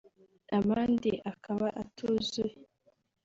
abandi akaba atuzuye